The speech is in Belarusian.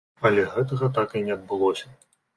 Але гэтага так і не адбылося.